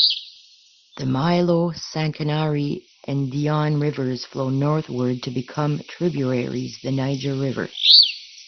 The Milo, Sankarani, and Dion rivers flow northward to become tributaries the Niger River.